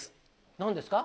何ですか？